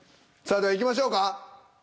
さあではいきましょうか。